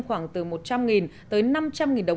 khoảng từ một trăm linh tới năm trăm linh đồng